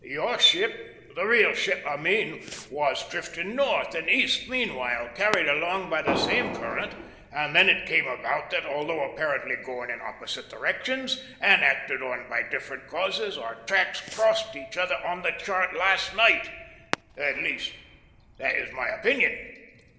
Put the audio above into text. "Your ship the real ship, I mean was drifting north and east meanwhile, carried along by the same current, and then it came about that, although apparently going in opposite directions and acted on by different causes, our tracks crossed each other on the chart last night at least, that is my opinion."